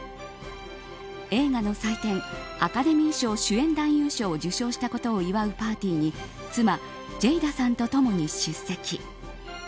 映画の祭典アカデミー賞主演男優賞を受賞したことを祝うパーティーに妻ジェイダさんとともに出席。